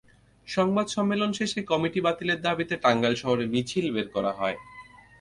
সংবাদ সম্মেলন শেষে কমিটি বাতিলের দাবিতে টাঙ্গাইল শহরে মিছিল বের করা হয়।